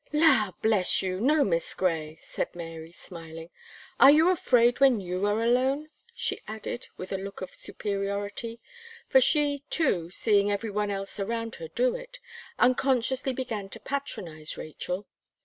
"La, bless you! no, Miss Gray," said Mary, smiling. "Are you afraid when you are alone?" she added, with a look of superiority; for she, too, seeing every one else around her do it, unconsciously began to patronize Rachel.